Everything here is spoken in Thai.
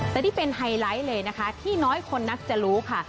แต่นี่เป็นไฮไลท์เลยนะคะที่น้อยคนนักจะรู้ค่ะ